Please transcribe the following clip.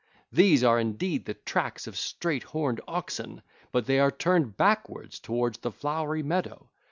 These are indeed the tracks of straight horned oxen, but they are turned backwards towards the flowery meadow.